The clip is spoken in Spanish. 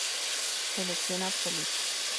Selección absoluta.